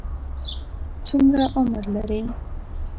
څومره عمر لري؟